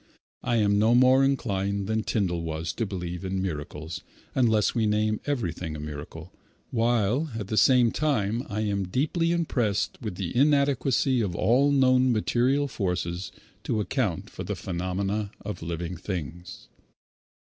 I am no more inclined than Tyndall was to believe in miracles unless we name everything a miracle, while at the same time I am deeply impressed with the inadequacy of all known material forces to account for the phenomena of living things.